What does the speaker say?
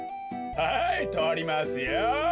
はいとりますよ。